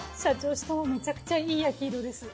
しかもめちゃくちゃいい焼き色です。